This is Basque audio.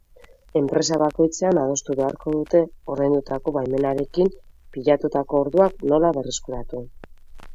Enpresa bakoitzean adostu beharko dute ordaindutako baimenarekin pilatutako orduak nola berreskuratu.